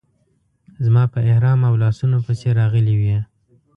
زما په احرام او لاسونو پسې راغلې وې.